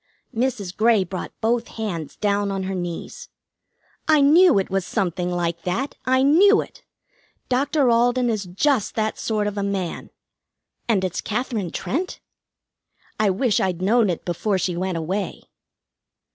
Mrs. Grey brought both hands down on her knees. "I knew it was something like that. I knew it! Doctor Alden is just that sort of a man. And it's Katherine Trent? I wish I'd known it before she went away."